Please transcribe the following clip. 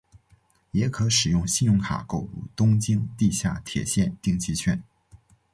也可使用信用卡购入东京地下铁线定期券。